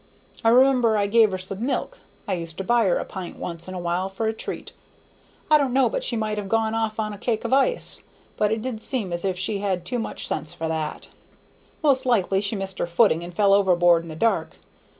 I remember I gave her some milk, I used to buy her a pint once in a while for a treat; I don't know but she might have gone off on a cake of ice, but it did seem as if she had too much sense for that. Most likely she missed her footing, and fell overboard in the dark.